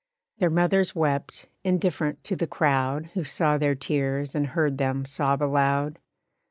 Their mothers wept, indifferent to the crowd Who saw their tears and heard them sob aloud.